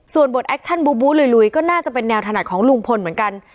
ส่วนบทแอคชั่นบูบูลุยก็น่าจะเป็นแนวถนัดของลุงพลเหมือนกัน